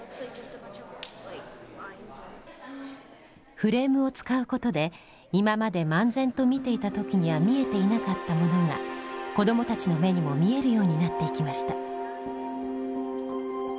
フレームを使うことで今まで漫然と見ていた時には見えていなかったものが子どもたちの目にも見えるようになっていきました。